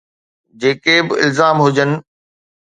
جيڪي به الزام هجن.